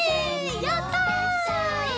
やった！